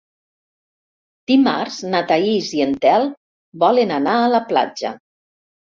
Dimarts na Thaís i en Telm volen anar a la platja.